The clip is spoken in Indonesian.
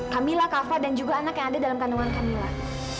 kamilah kak fadil dan juga anak yang ada dalam kandungan kamilah